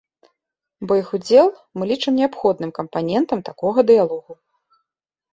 Бо іх удзел мы лічым неабходным кампанентам такога дыялогу.